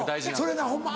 それなホンマ